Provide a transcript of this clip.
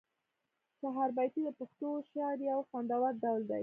چهاربیتې د پښتو شعر یو خوندور ډول دی.